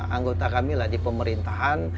anggota kami lah di pemerintahan